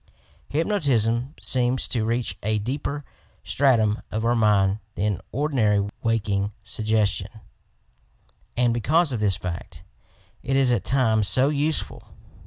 Hypnotism seems to reach a deeper stratum of our mind than ordinary waking sug gestion, and because of this fact it is at times so useful.